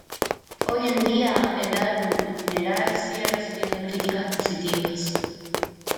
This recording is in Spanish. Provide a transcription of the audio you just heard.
Hoy en día, el álbum, en general, sigue recibiendo críticas positivas.